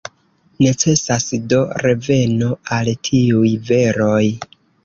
Necesas do reveno al tiuj veroj.